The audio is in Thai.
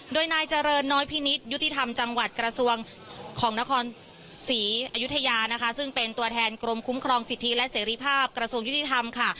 โดยนายเจริญน้อยพินิษฐ์ยุติธรรมจังหวัดกระทรวงของนครศรีอยุธยานะคะซึ่งเป็นตัวแทนกรมคุ้มครองสิทธิและเสรีภาพกระทรวงยุติธรรมค่ะ